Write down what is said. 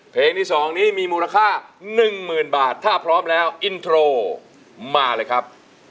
เพลงที่๒นี้มีมูลค่า๑๐๐๐บาทถ้าพร้อมแล้วอินโทรมาเลยครับ